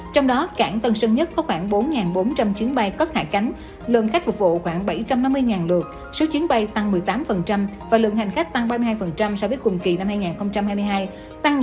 trong đó cảng tân sơn nhất có khoảng bốn bốn trăm linh chuyến bay cất hạ cánh lượng khách phục vụ khoảng bảy trăm năm mươi lượt